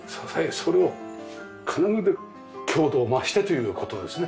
それを金具で強度を増してという事ですね。